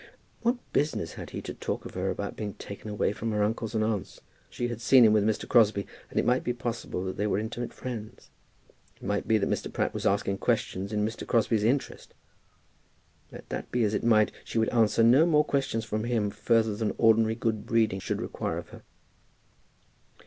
What business had he to talk to her about being taken away from her uncles and aunts? She had seen him with Mr. Crosbie, and it might be possible that they were intimate friends. It might be that Mr. Pratt was asking questions in Mr. Crosbie's interest. Let that be as it might, she would answer no more questions from him further than ordinary good breeding should require of her.